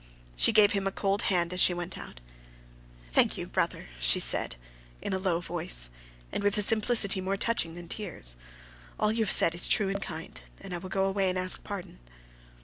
She gave him a cold hand as she went out: "Thank you, brother," she said, in a low voice, and with a simplicity more touching than tears; "all you have said is true and kind, and I will go away and ask pardon."